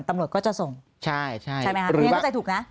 ตำรวจก็จะส่งใช่ไหมคะยังเข้าใจถูกนะใช่ใช่